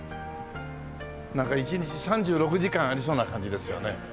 なんか一日３６時間ありそうな感じですよね。